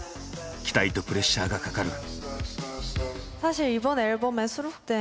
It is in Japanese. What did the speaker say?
期待とプレッシャーがかかる。